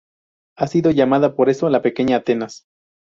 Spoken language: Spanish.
Ha sido llamada por eso "la pequeña Atenas".